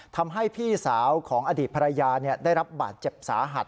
พี่สาวของอดีตภรรยาได้รับบาดเจ็บสาหัส